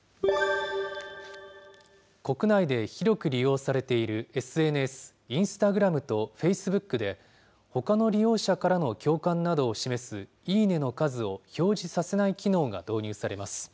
国内で広く利用されているＳＮＳ、インスタグラムとフェイスブックで、ほかの利用者からの共感などを示すいいね！の数を表示させない機能が導入されます。